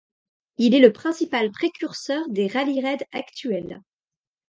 Il est le principal précurseur des rallye-raids actuels.